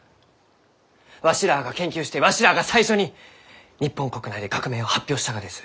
わしらあが研究してわしらあが最初に日本国内で学名を発表したがです。